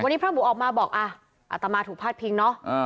วันนี้พระหมูออกมาบอกอ่ะอัตมาถูกพาดพิงเนอะ